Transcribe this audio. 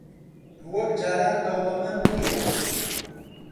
وەک جاران دەوڵەمەند نییە.